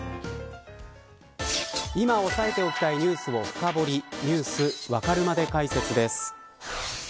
今押さえておきたいニュースを深掘りニュースわかるまで解説です。